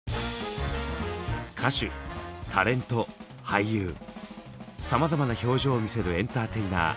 俳優さまざまな表情を見せるエンターテイナー